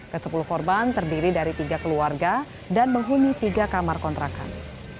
ke sepuluh korban terdiri dari tiga keluarga dan menghuni tiga kamar kontrakan